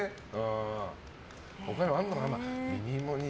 他にもあるのかな？